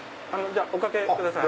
おかけください。